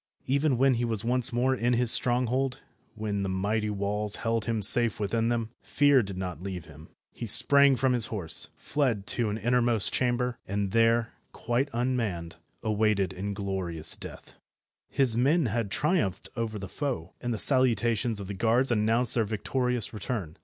Even when he was once more in his stronghold, when the mighty walls held him safe within them, fear did not leave him. He sprang from his horse, fled to an innermost chamber, and there, quite unmanned, awaited inglorious death. His men had triumphed over the foe, and the salutations of the guards announced their victorious return.